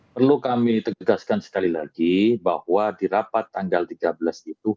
perlu kami tegaskan sekali lagi bahwa di rapat tanggal tiga belas itu